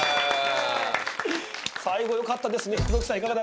最後よかったですね黒木さん